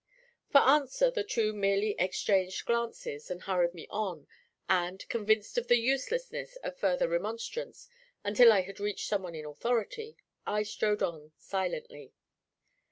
For answer the two merely exchanged glances, and hurried me on, and, convinced of the uselessness of further remonstrance until I had reached someone in authority, I strode on silently.